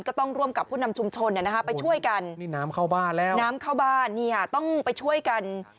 ก็ต้องร่วมกับผู้นำชุมชนไปช่วยกันนี่น้ำเข้าบ้านแล้วน้ำเข้าบ้านนี่ค่ะต้องไปช่วยกัน